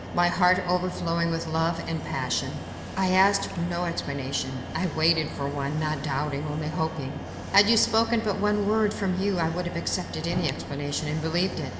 My heart overflowing with love and passion, I asked for no explanation—I waited for one, not doubting—only hoping. Had you spoken but one word, from you I would have accepted any explanation and believed it.